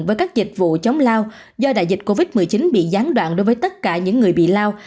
với các dịch vụ chống lao do đại dịch covid một mươi chín bị gián đoạn đối với tất cả những người bị lao